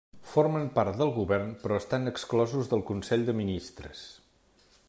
Formen part del govern, però estan exclosos del Consell de Ministres.